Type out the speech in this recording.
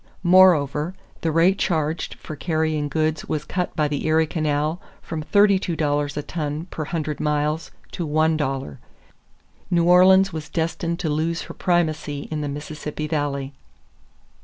Moreover, the rate charged for carrying goods was cut by the Erie Canal from $32 a ton per hundred miles to $1. New Orleans was destined to lose her primacy in the Mississippi Valley.